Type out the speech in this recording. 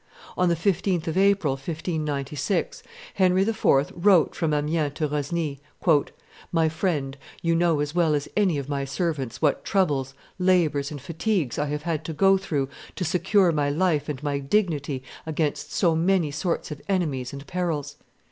On the 15th of April, 1596, Henry IV. wrote from Amiens to Rosny, "My friend, you know as well as any of my servants what troubles, labors, and fatigues I have had to go through to secure my life and my dignity against so many sorts of enemies and perils.